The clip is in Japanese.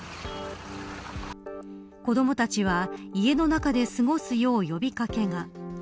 子どもたちは家の中で過ごすよう呼び掛けが。